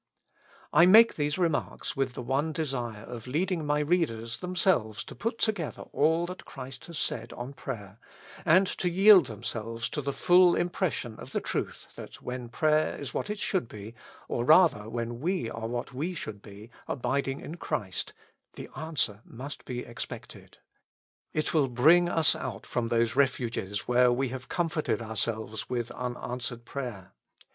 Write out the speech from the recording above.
I make these remarks with the one desire of lead \ ing my readers themselves to put together all that \ Christ has said on prayer, and to yield themselves to J 173 ~ With Christ in the School of Prayer. the full impression of the truth that when prayer is what it should be, or rather when we are what we should be, abiding in Christ, the answer must be ex pected. It will bring us out from those refuges where we have comforted ourselves with unanswered prayer.